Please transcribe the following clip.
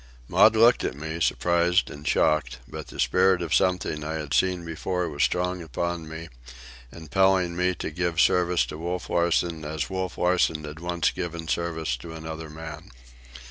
'" Maud looked at me, surprised and shocked; but the spirit of something I had seen before was strong upon me, impelling me to give service to Wolf Larsen as Wolf Larsen had once given service to another man.